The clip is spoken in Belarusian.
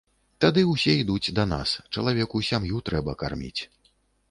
Тады ўсе ідуць да нас, чалавеку сям'ю трэба карміць.